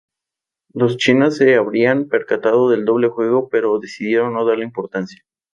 Los chinos se habrían percatado del doble juego, pero decidieron no darle importancia.